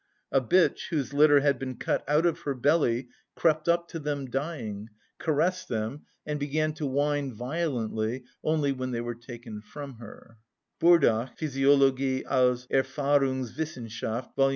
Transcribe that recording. A bitch whose litter had been cut out of her belly crept up to them dying, caressed them, and began to whine violently only when they were taken from her (Burdach, Physiologie als Erfahrungswissenschaft, vol.